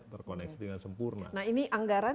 terkoneksi dengan sempurna nah ini anggaran